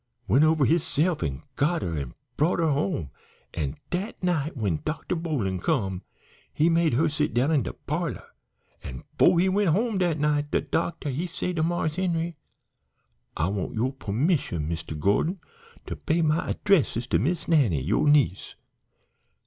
Went over hisse'f an' got her, an' brought her home, an' dat night when Dr. Boling come he made her sit down in de parlor, an' 'fo' he went home dat night de Doctor he say to Marse Henry, 'I want yo' permission, Mister Gordon, to pay my addresses to Miss Nannie, yo' niece.'